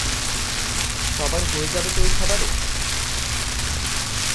সবার হয়ে যাবে তো ঐ খাবারে?